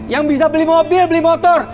yang bisa beli mobil beli motor